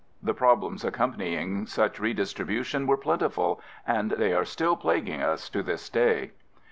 The problems accompanying such redistribution were plentiful, and they are still plaguing us to this day.